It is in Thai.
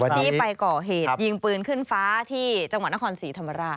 ที่ไปก่อเหตุยิงปืนขึ้นฟ้าที่จังหวัดนครศรีธรรมราช